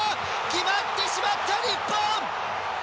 決まってしまった、日本。